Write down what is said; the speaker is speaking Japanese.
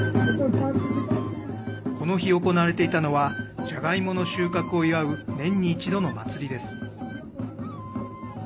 この日、行われていたのはじゃがいもの収穫を祝う年に一度の祭りです。